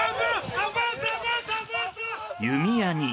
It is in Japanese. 弓矢に。